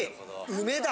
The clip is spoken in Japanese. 梅だ。